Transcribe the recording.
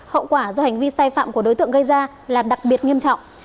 hậu quả do hành vi sai phạm của đối tượng gây ra là đặc biệt nghiêm trọng